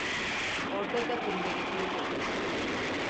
Ortak atın beli kırık olur.